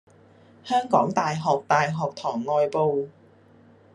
香港大學大學堂外部